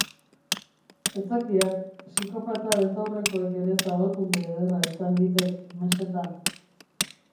Ez zakiat, psikopata betaurrekoek ere zabalkunde ederra izan ditek mesetan.